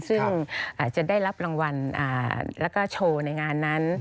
ซึ่งจะได้รับรางวัลแล้วก็โชว์ในงานนั้น